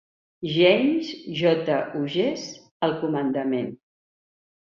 James J. Hughes al comandament.